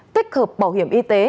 tích hợp bảo hiểm y tế